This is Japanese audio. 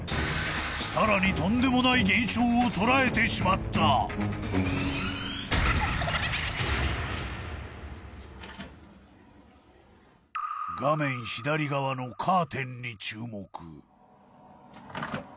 さらにとんでもない現象を捉えてしまった画面左側のカーテンに注目・